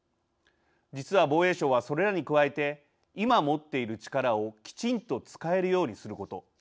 実は防衛省は、それらに加えて今、持っている力をきちんと使えるようにすること。